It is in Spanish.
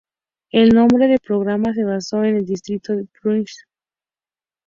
El nombre del programa se basó en el distrito de Pittsburgh "Hill District".